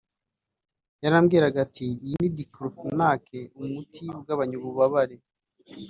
yarambwiraga ati ‘Iyi ni diclofenac (umuti ugabanya ububabare)